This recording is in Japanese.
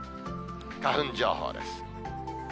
花粉情報です。